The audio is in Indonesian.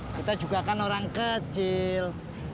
kita juga kan orang kecil